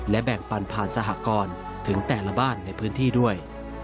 และแบ่งปันผ่านสหกรณ์ถึงแต่ละบ้านในพื้นที่ด้วย